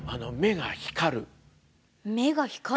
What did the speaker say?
目が光る？